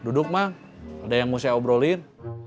duduk mah ada yang mau saya obrolin